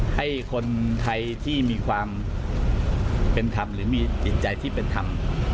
ให้คนไทยที่มีความเป็นธรรมหรือมีจิตใจที่เป็นธรรม